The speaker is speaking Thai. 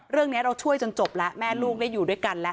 เรื่องนี้เราช่วยจนจบแล้วแม่ลูกได้อยู่ด้วยกันแล้ว